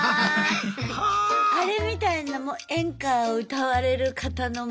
あれみたいなもう演歌を歌われる方の前で。